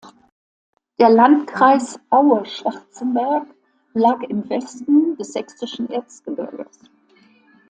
Der Landkreis Aue-Schwarzenberg lag im Westen des sächsischen Erzgebirges.